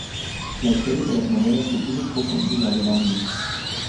La historia de las novelas difiere un poco de la del anime.